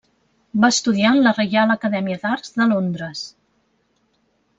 Va estudiar en la Reial Acadèmia d'Arts de Londres.